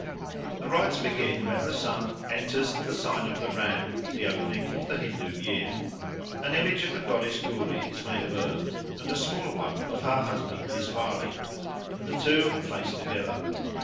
The rites begin when the sun enters the sign of the Ram, the opening of the Hindoo year. An image of the goddess Gouri is made of earth, and a smaller one of her husband Iswara, and the two are placed together.